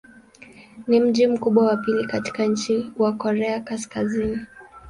Ni mji mkubwa wa pili katika nchi wa Korea Kaskazini.